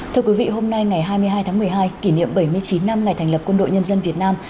thưa quý vị hôm nay ngày hai mươi hai tháng một mươi hai kỷ niệm bảy mươi chín năm ngày thành lập quân đội nhân dân việt nam